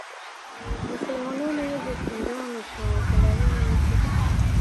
مسلمانانو یې د پیرانو په غولولو نه کېدل.